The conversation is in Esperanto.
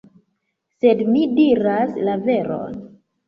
Sed mi diras la veron!